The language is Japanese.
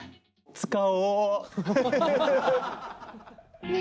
使おう！